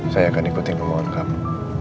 saya akan ikutin kemohonan kamu